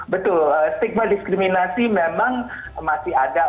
betul stigma diskriminasi memang masih ada